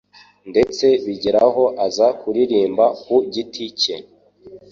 ndetse bigeraho aza kuririmba ku giti cye.